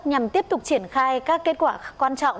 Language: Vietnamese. nhằm tiếp tục triển khai các kết quả quan trọng